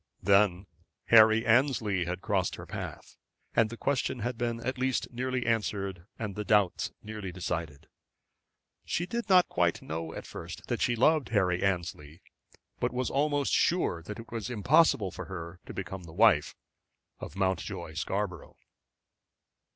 Then Harry Annesley had crossed her path, and the question had been at last nearly answered, and the doubts nearly decided. She did not quite know at first that she loved Harry Annesley, but was almost sure that it was impossible for her to become the wife of Mountjoy Scarborough.